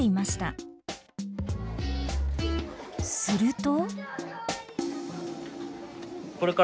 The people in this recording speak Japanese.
すると。